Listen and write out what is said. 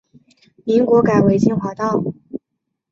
民国改为金华道。